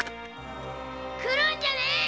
来るんじゃねぇ！